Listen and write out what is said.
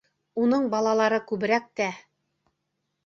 Уның балалары күберәк тә...